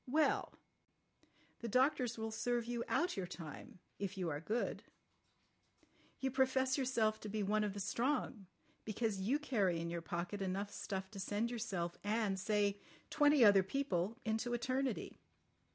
Well. The doctors will serve you out your time—if you are good. You profess yourself to be one of the strong—because you carry in your pocket enough stuff to send yourself and, say, twenty other people into eternity.